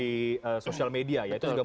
di sosial media ya itu juga muncul soal gendang